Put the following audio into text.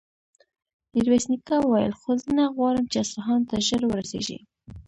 ميرويس نيکه وويل: خو زه نه غواړم چې اصفهان ته ژر ورسېږي.